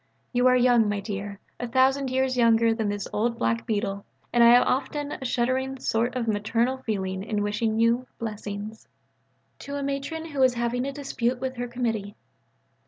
You are young, my dear: a thousand years younger than this old black beetle. And I have often a shuddering sort of maternal feeling in wishing you "blessings." ... (_To a Matron who was having a dispute with her Committee.